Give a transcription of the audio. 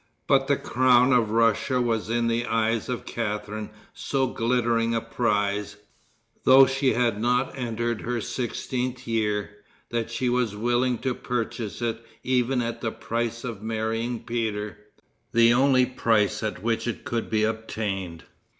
But the crown of Russia was in the eyes of Catharine so glittering a prize, though then she had not entered her sixteenth year, that she was willing to purchase it even at the price of marrying Peter, the only price at which it could be obtained.